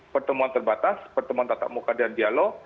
pertemuan terbatas pertemuan tatap muka dan dialog